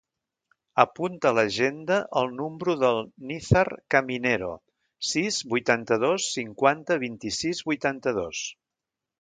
Apunta a l'agenda el número del Nizar Caminero: sis, vuitanta-dos, cinquanta, vint-i-sis, vuitanta-dos.